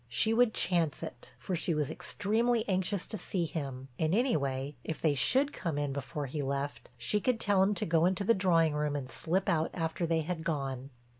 She would chance it, for she was extremely anxious to see him, and anyway, if they should come in before he left, she could tell him to go into the drawing room and slip out after they had gone.